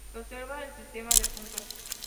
Se observará el sistema de puntos.